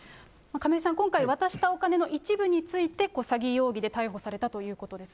亀井さん、今回、渡したお金の一部について、詐欺容疑で逮捕されたということです